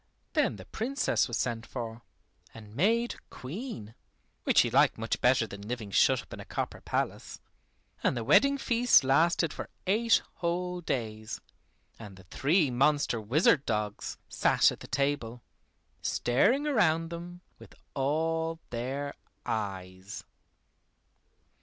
Then the Princess was sent for, and made Queen, which she liked much better than living shut up in a copper palace. And the wedding feast lasted for eight whole days, and the three monster wizard dogs sat at the table, staring around them with all their eyes.